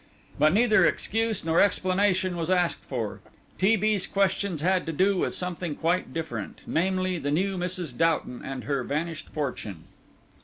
But neither excuse nor explanation was asked for. T. B.'s questions had to do with something quite different, namely the new Mrs. Doughton and her vanished fortune.